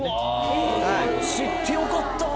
知ってよかった！